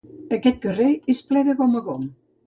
Aquest carrer és ple de gom a gom.